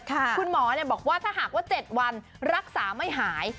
คุณหมอบอกว่าถ้าหากว่า๗วันรักษาไม่หาย